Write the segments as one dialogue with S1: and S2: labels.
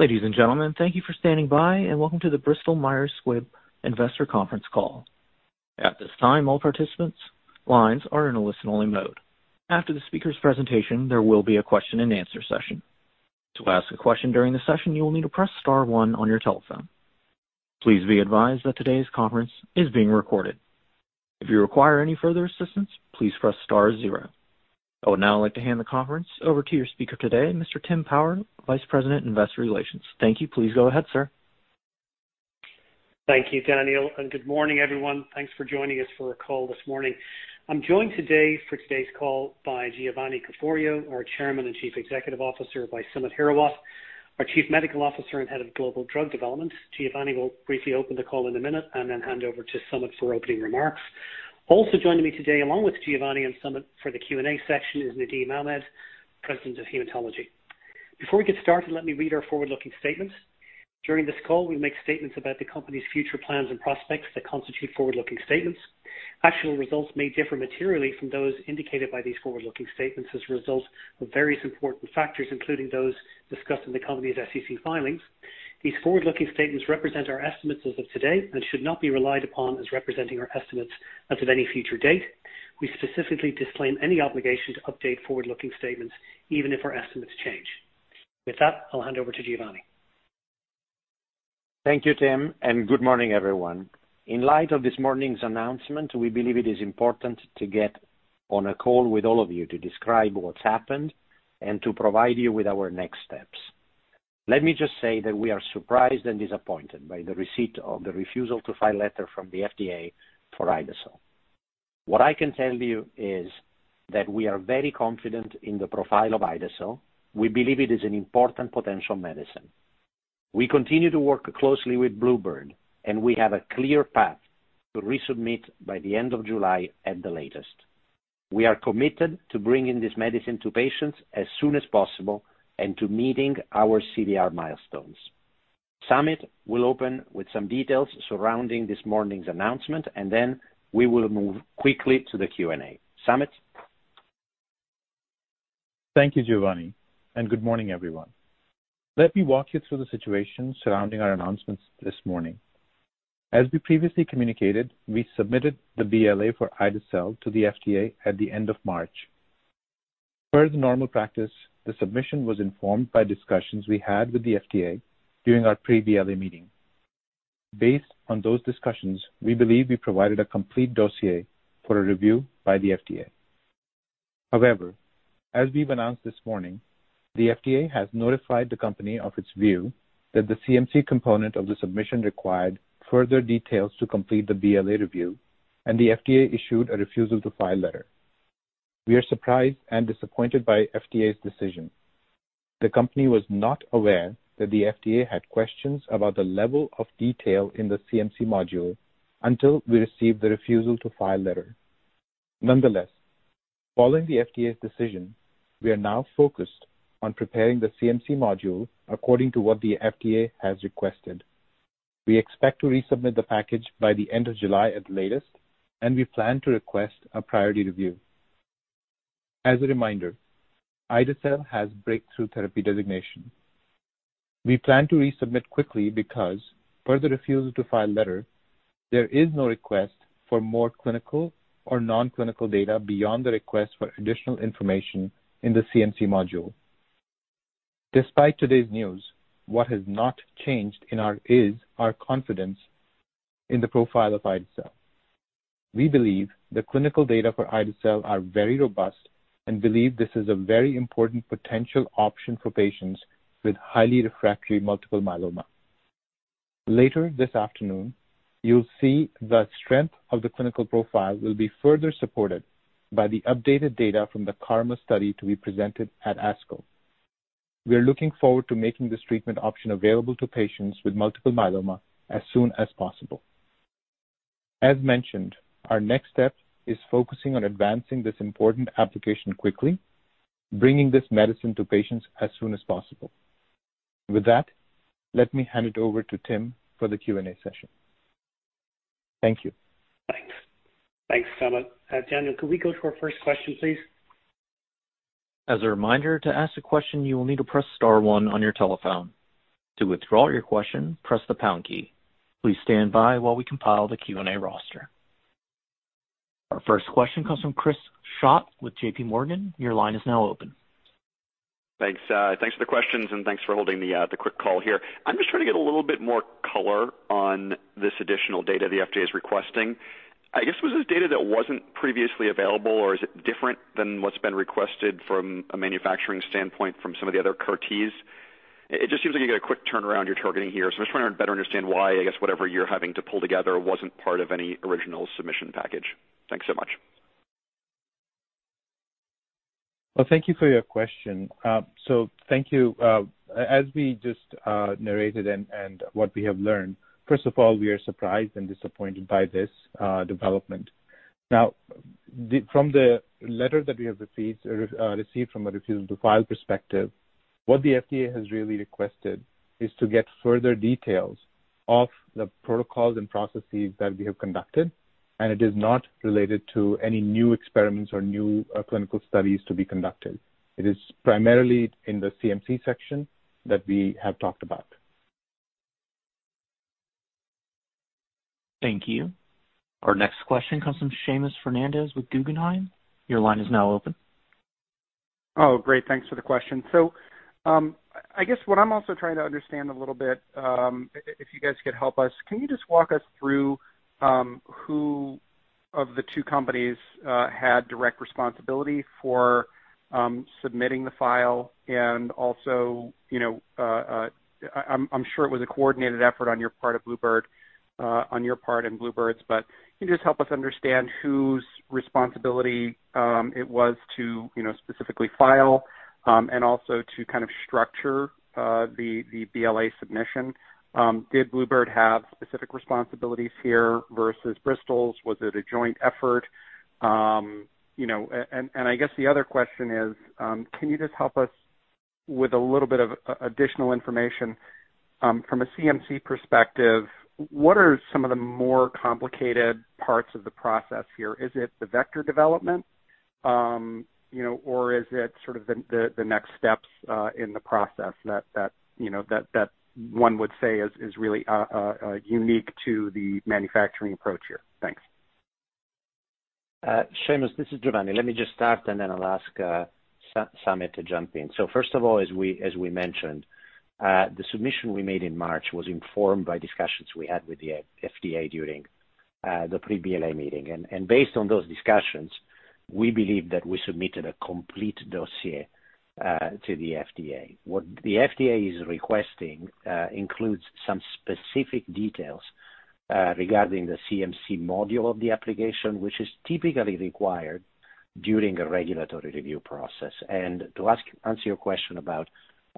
S1: Ladies and gentlemen, thank you for standing by and welcome to the Bristol Myers Squibb Investor Conference Call. At this time, all participants' lines are in a listen-only mode. After the speaker's presentation, there will be a question and answer session. To ask a question during the session, you will need to press star one on your telephone. Please be advised that today's conference is being recorded. If you require any further assistance, please press star zero. I would now like to hand the conference over to your speaker today, Mr. Tim Power, Vice President Investor Relations. Thank you. Please go ahead, sir.
S2: Thank you, Daniel. Good morning, everyone. Thanks for joining us for our call this morning. I'm joined today for today's call by Giovanni Caforio, our Chairman and Chief Executive Officer, by Samit Hirawat, our Chief Medical Officer and Head of Global Drug Development. Giovanni will briefly open the call in a minute. Then hand over to Samit for opening remarks. Also joining me today, along with Giovanni and Samit for the Q&A section, is Nadim Ahmed, President of Hematology. Before we get started, let me read our forward-looking statement. During this call, we make statements about the company's future plans and prospects that constitute forward-looking statements. Actual results may differ materially from those indicated by these forward-looking statements as a result of various important factors, including those discussed in the company's SEC filings. These forward-looking statements represent our estimates as of today and should not be relied upon as representing our estimates as of any future date. We specifically disclaim any obligation to update forward-looking statements, even if our estimates change. With that, I'll hand over to Giovanni.
S3: Thank you, Tim, and good morning, everyone. In light of this morning's announcement, we believe it is important to get on a call with all of you to describe what's happened and to provide you with our next steps. Let me just say that we are surprised and disappointed by the receipt of the refusal to file letter from the FDA for ide-cel. What I can tell you is that we are very confident in the profile of ide-cel. We believe it is an important potential medicine. We continue to work closely with bluebird, and we have a clear path to resubmit by the end of July at the latest. We are committed to bringing this medicine to patients as soon as possible and to meeting our CVR milestones. Samit will open with some details surrounding this morning's announcement, and then we will move quickly to the Q&A. Samit?
S4: Thank you, Giovanni, and good morning, everyone. Let me walk you through the situation surrounding our announcements this morning. As we previously communicated, we submitted the BLA for ide-cel to the FDA at the end of March. Per the normal practice, the submission was informed by discussions we had with the FDA during our pre-BLA meeting. Based on those discussions, we believe we provided a complete dossier for a review by the FDA. As we've announced this morning, the FDA has notified the company of its view that the CMC component of the submission required further details to complete the BLA review, and the FDA issued a refusal to file letter. We are surprised and disappointed by FDA's decision. The company was not aware that the FDA had questions about the level of detail in the CMC module until we received the refusal to file letter. Nonetheless, following the FDA's decision, we are now focused on preparing the CMC module according to what the FDA has requested. We expect to resubmit the package by the end of July at the latest, and we plan to request a priority review. As a reminder, ide-cel has breakthrough therapy designation. We plan to resubmit quickly because, per the refusal to file letter, there is no request for more clinical or non-clinical data beyond the request for additional information in the CMC module. Despite today's news, what has not changed in our is our confidence in the profile of ide-cel. We believe the clinical data for ide-cel are very robust and believe this is a very important potential option for patients with highly refractory multiple myeloma. Later this afternoon, you'll see the strength of the clinical profile will be further supported by the updated data from the KarMMa study to be presented at ASCO. We are looking forward to making this treatment option available to patients with multiple myeloma as soon as possible. As mentioned, our next step is focusing on advancing this important application quickly, bringing this medicine to patients as soon as possible. With that, let me hand it over to Tim for the Q&A session. Thank you.
S2: Thanks. Thanks, Samit. Daniel, could we go to our first question, please?
S1: As a reminder, to ask a question, you will need to press star one on your telephone. To withdraw your question, press the pound key. Please stand by while we compile the Q&A roster. Our first question comes from Chris Schott with JPMorgan. Your line is now open.
S5: Thanks. Thanks for the questions and thanks for holding the quick call here. I'm just trying to get a little bit more color on this additional data the FDA is requesting. I guess, was this data that wasn't previously available, or is it different than what's been requested from a manufacturing standpoint from some of the other CAR T? It just seems like you get a quick turnaround you're targeting here, so I'm just trying to better understand why, I guess, whatever you're having to pull together wasn't part of any original submission package. Thanks so much.
S4: Well, thank you for your question. Thank you. As we just narrated and what we have learned, first of all, we are surprised and disappointed by this development. From the letter that we have received from a refusal to file perspective, what the FDA has really requested is to get further details of the protocols and processes that we have conducted, and it is not related to any new experiments or new clinical studies to be conducted. It is primarily in the CMC section that we have talked about.
S1: Thank you. Our next question comes from Seamus Fernandez with Guggenheim. Your line is now open.
S6: Oh, great. Thanks for the question. I guess what I'm also trying to understand a little bit, if you guys could help us, can you just walk us through who of the two companies had direct responsibility for submitting the file and also, I'm sure it was a coordinated effort on your part and bluebird's, but can you just help us understand whose responsibility it was to specifically file and also to structure the BLA submission? Did bluebird have specific responsibilities here versus Bristol's? Was it a joint effort? I guess the other question is, can you just help us with a little bit of additional information from a CMC perspective, what are some of the more complicated parts of the process here? Is it the vector development? Is it sort of the next steps in the process that one would say is really unique to the manufacturing approach here? Thanks.
S3: Seamus, this is Giovanni. Let me just start, and then I'll ask Samit to jump in. First of all, as we mentioned, the submission we made in March was informed by discussions we had with the FDA during the pre-BLA meeting. Based on those discussions, we believe that we submitted a complete dossier to the FDA. What the FDA is requesting includes some specific details regarding the CMC module of the application, which is typically required during a regulatory review process. To answer your question about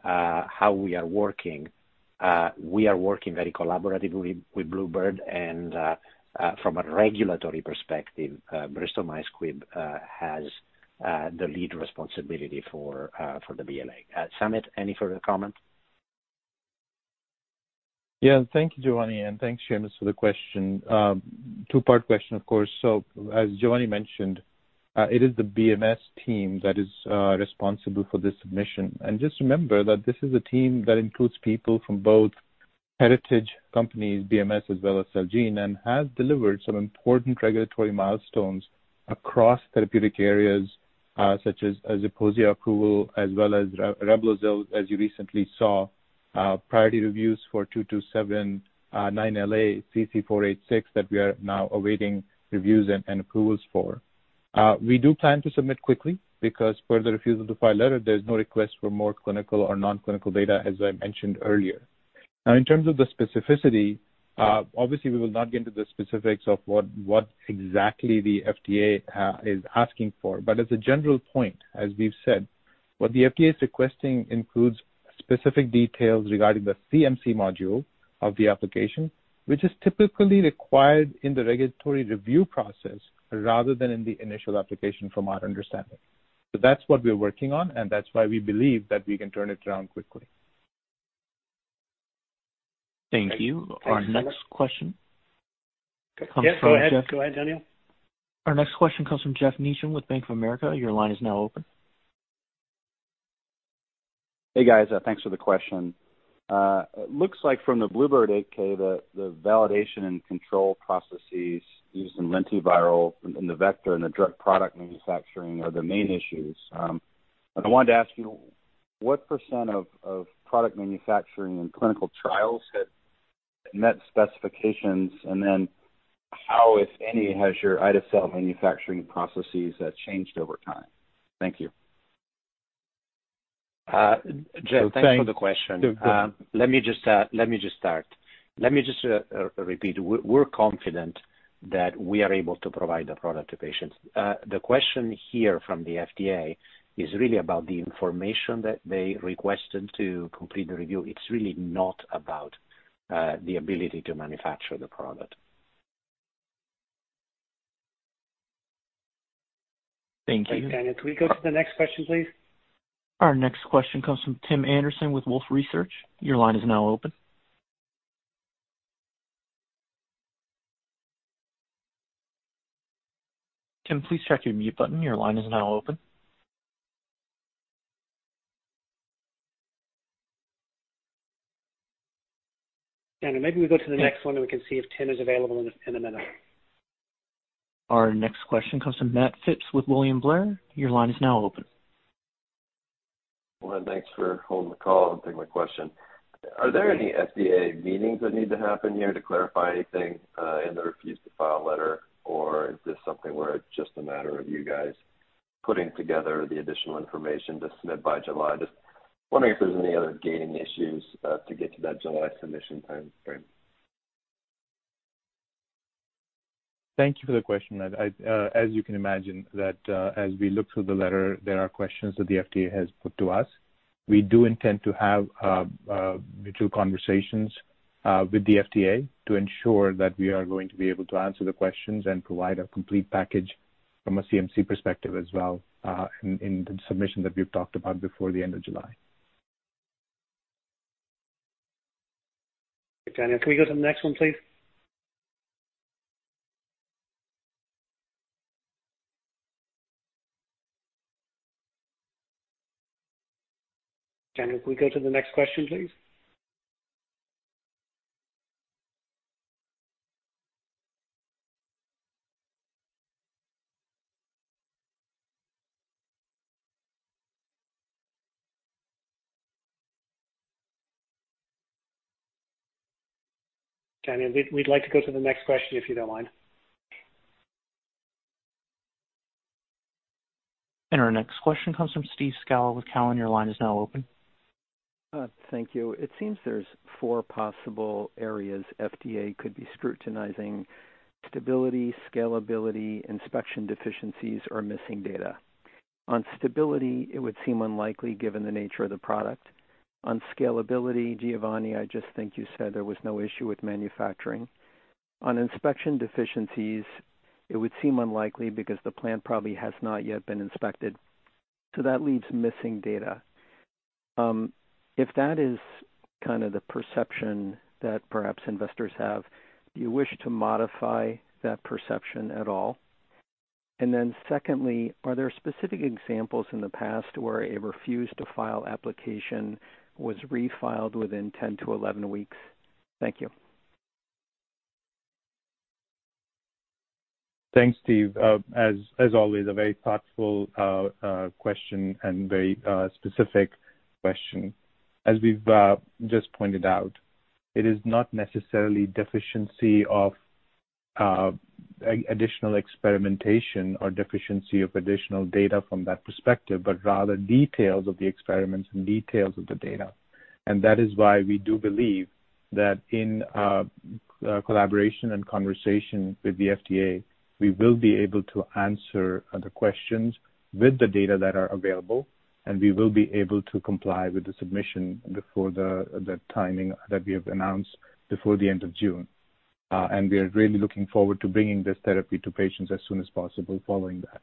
S3: how we are working, we are working very collaboratively with bluebird and, from a regulatory perspective, Bristol Myers Squibb has the lead responsibility for the BLA. Samit, any further comment?
S4: Yeah. Thank you, Giovanni, and thanks, Seamus, for the question. Two-part question, of course. As Giovanni mentioned, it is the BMS team that is responsible for this submission. Just remember that this is a team that includes people from both heritage companies, BMS as well as Celgene, and have delivered some important regulatory milestones across therapeutic areas, such as ZEPOSIA approval as well as REBLOZYL, as you recently saw, priority reviews for 227 9LA CC-486 that we are now awaiting reviews and approvals for. We do plan to submit quickly because per the refusal to file letter, there's no request for more clinical or non-clinical data, as I mentioned earlier. Now, in terms of the specificity, obviously, we will not get into the specifics of what exactly the FDA is asking for. As a general point, as we've said, what the FDA is requesting includes specific details regarding the CMC module of the application, which is typically required in the regulatory review process rather than in the initial application, from our understanding. That's what we're working on, and that's why we believe that we can turn it around quickly.
S1: Thank you. Our next question comes from Geoff-
S2: Yeah, go ahead. Go ahead, Daniel.
S1: Our next question comes from Geoff Meacham with Bank of America. Your line is now open.
S7: Hey, guys. Thanks for the question. It looks like from the bluebird 8-K that the validation and control processes used in lentiviral in the vector and the drug product manufacturing are the main issues. I wanted to ask you, what % of product manufacturing and clinical trials had met specifications? How, if any, has your ide-cel manufacturing processes changed over time? Thank you.
S3: Geoff, thanks for the question. Let me just start. Let me just repeat, we're confident that we are able to provide the product to patients. The question here from the FDA is really about the information that they requested to complete the review. It's really not about the ability to manufacture the product.
S2: Thank you. Thanks, Daniel. Can we go to the next question, please?
S1: Our next question comes from Tim Anderson with Wolfe Research. Your line is now open. Tim, please check your mute button. Your line is now open.
S2: Daniel, maybe we go to the next one, and we can see if Tim is available in a minute.
S1: Our next question comes from Matt Phipps with William Blair. Your line is now open.
S8: Well, thanks for holding the call and taking my question. Are there any FDA meetings that need to happen here to clarify anything in the refusal to file letter, or is this something where it's just a matter of you guys putting together the additional information to submit by July? Just wondering if there's any other gating issues to get to that July submission timeframe.
S4: Thank you for the question. As you can imagine, that as we look through the letter, there are questions that the FDA has put to us. We do intend to have virtual conversations with the FDA to ensure that we are going to be able to answer the questions and provide a complete package. From a CMC perspective as well, in the submission that we've talked about before the end of July.
S3: Daniel, can we go to the next one, please? Daniel, can we go to the next question, plea se? Daniel, we'd like to go to the next question, if you don't mind.
S1: Our next question comes from Steve Scala with Cowen. Your line is now open.
S9: Thank you. It seems there's four possible areas FDA could be scrutinizing: stability, scalability, inspection deficiencies, or missing data. On stability, it would seem unlikely given the nature of the product. On scalability, Giovanni, I just think you said there was no issue with manufacturing. On inspection deficiencies, it would seem unlikely because the plant probably has not yet been inspected. That leaves missing data. If that is the perception that perhaps investors have, do you wish to modify that perception at all? Secondly, are there specific examples in the past where a Refuse to File application was refiled within 10-11 weeks? Thank you.
S4: Thanks, Steve. As always, a very thoughtful question and very specific question. As we've just pointed out, it is not necessarily deficiency of additional experimentation or deficiency of additional data from that perspective, but rather details of the experiments and details of the data. That is why we do believe that in collaboration and conversation with the FDA, we will be able to answer the questions with the data that are available, and we will be able to comply with the submission before the timing that we have announced before the end of June. We are really looking forward to bringing this therapy to patients as soon as possible following that.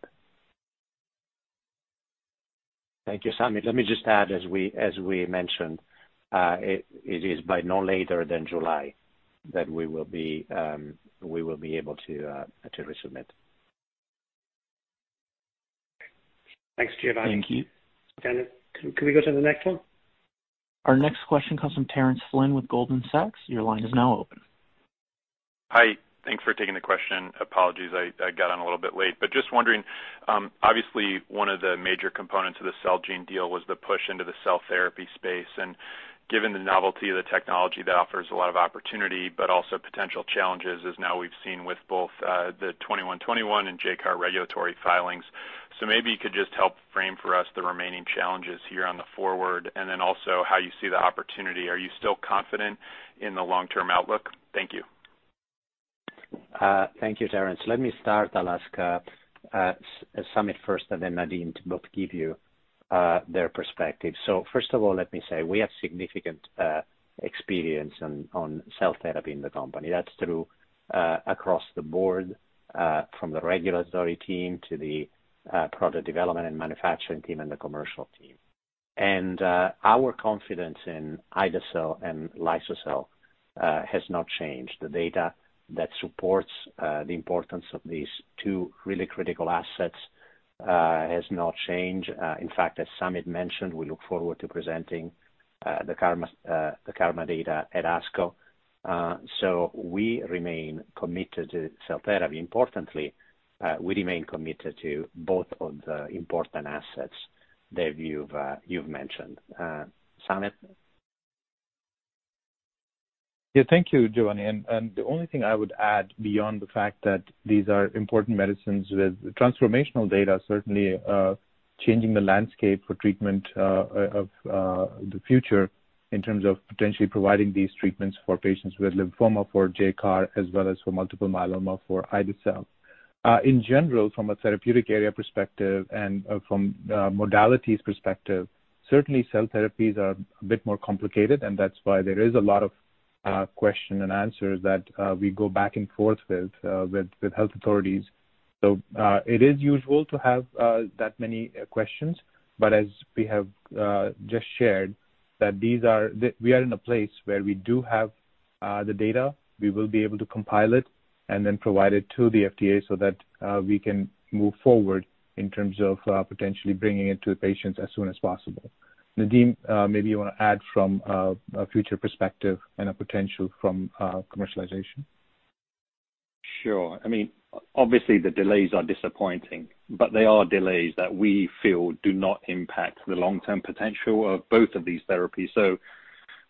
S3: Thank you, Samit. Let me just add, as we mentioned, it is by no later than July that we will be able to resubmit.
S9: Thanks, Giovanni.
S4: Thank you.
S3: Daniel, can we go to the next one?
S1: Our next question comes from Terence Flynn with Goldman Sachs. Your line is now open.
S10: Hi. Thanks for taking the question. Apologies, I got on a little bit late. Just wondering, obviously one of the major components of the Celgene deal was the push into the cell therapy space. Given the novelty of the technology, that offers a lot of opportunity, but also potential challenges as now we've seen with both the bb2121 and JCAR017 regulatory filings. Maybe you could just help frame for us the remaining challenges here on the forward and then also how you see the opportunity. Are you still confident in the long-term outlook? Thank you.
S3: Thank you, Terence. Let me start, Samit first and then Nadim to both give you their perspective. First of all, let me say we have significant experience on cell therapy in the company. That's true across the board, from the regulatory team to the product development and manufacturing team and the commercial team. Our confidence in ide-cel and liso-cel has not changed. The data that supports the importance of these two really critical assets has not changed. In fact, as Samit mentioned, we look forward to presenting the KarMMa data at ASCO. We remain committed to cell therapy. Importantly, we remain committed to both of the important assets that you've mentioned. Samit?
S4: Yeah, thank you, Giovanni, the only thing I would add beyond the fact that these are important medicines with transformational data, certainly changing the landscape for treatment of the future in terms of potentially providing these treatments for patients with lymphoma for JCAR017 as well as for multiple myeloma for ide-cel. In general, from a therapeutic area perspective and from modalities perspective, certainly cell therapies are a bit more complicated, that's why there is a lot of question and answers that we go back and forth with health authorities. It is usual to have that many questions. As we have just shared, that we are in a place where we do have the data, we will be able to compile it and then provide it to the FDA so that we can move forward in terms of potentially bringing it to patients as soon as possible. Nadim, maybe you want to add from a future perspective and a potential from commercialization.
S11: Sure. Obviously the delays are disappointing, but they are delays that we feel do not impact the long-term potential of both of these therapies.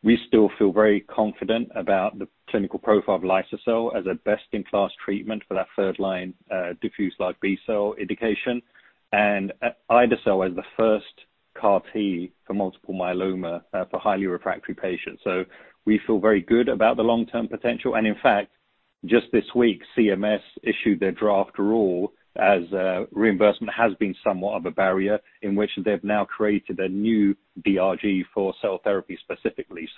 S11: We still feel very confident about the clinical profile of liso-cel as a best-in-class treatment for that third line diffuse large B-cell indication and ide-cel as the first CAR T for multiple myeloma for highly refractory patients. We feel very good about the long-term potential. In fact, just this week, CMS issued their draft rule as reimbursement has been somewhat of a barrier in which they've now created a new DRG for cell therapy specifically.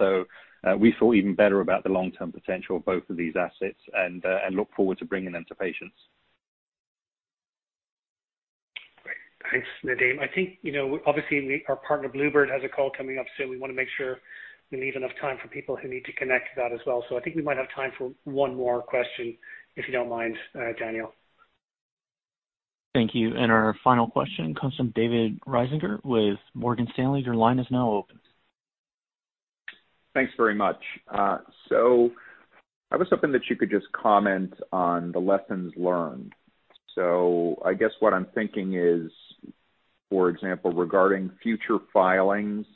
S11: We feel even better about the long-term potential of both of these assets and look forward to bringing them to patients.
S2: Nadim, I think, obviously our partner bluebird bio has a call coming up soon. We want to make sure we leave enough time for people who need to connect to that as well. I think we might have time for one more question, if you don't mind, Daniel.
S1: Thank you. Our final question comes from David Risinger with Morgan Stanley. Your line is now open.
S12: Thanks very much. I was hoping that you could just comment on the lessons learned. I guess what I'm thinking is, for example, regarding future filings,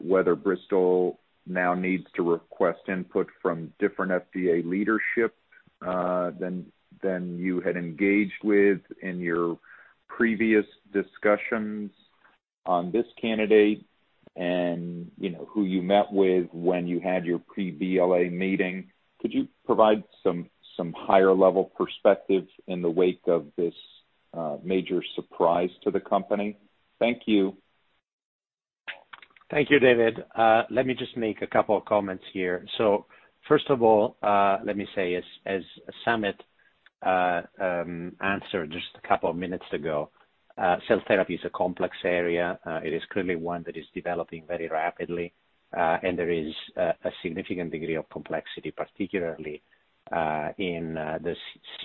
S12: whether Bristol now needs to request input from different FDA leadership than you had engaged with in your previous discussions on this candidate and who you met with when you had your pre-BLA meeting. Could you provide some higher-level perspective in the wake of this major surprise to the company? Thank you.
S3: Thank you, David. Let me just make a couple of comments here. First of all, let me say, as Samit answered just a couple of minutes ago, cell therapy is a complex area. It is clearly one that is developing very rapidly, and there is a significant degree of complexity, particularly in the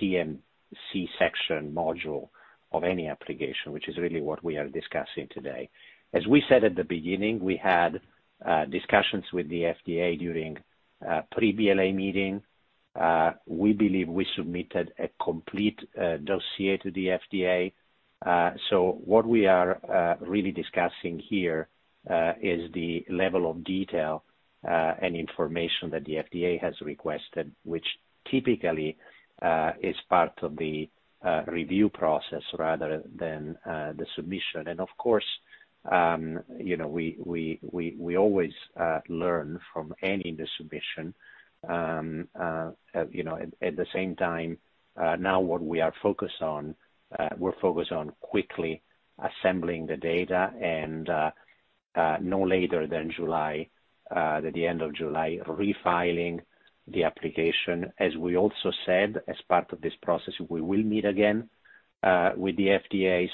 S3: CMC section module of any application, which is really what we are discussing today. As we said at the beginning, we had discussions with the FDA during pre-BLA meeting. We believe we submitted a complete dossier to the FDA. What we are really discussing here is the level of detail and information that the FDA has requested, which typically is part of the review process rather than the submission. Of course, we always learn from any submission. At the same time, we're focused on quickly assembling the data and no later than July, at the end of July, refiling the application. As we also said, as part of this process, we will meet again with the FDA.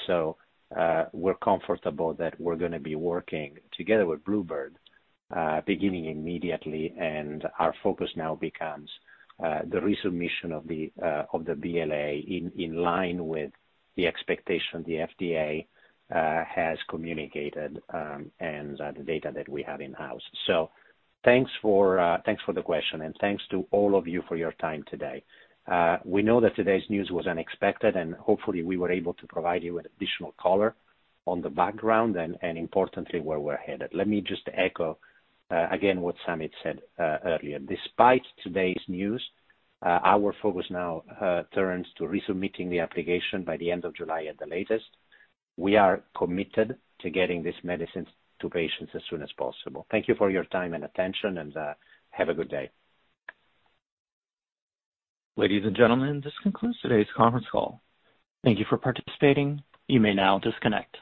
S3: We're comfortable that we're going to be working together with bluebird, beginning immediately, and our focus now becomes the resubmission of the BLA in line with the expectation the FDA has communicated and the data that we have in-house. Thanks for the question, and thanks to all of you for your time today. We know that today's news was unexpected, and hopefully, we were able to provide you with additional color on the background and importantly, where we're headed. Let me just echo again what Samit said earlier. Despite today's news, our focus now turns to resubmitting the application by the end of July at the latest. We are committed to getting this medicine to patients as soon as possible. Thank you for your time and attention, and have a good day.
S1: Ladies and gentlemen, this concludes today's conference call. Thank you for participating. You may now disconnect.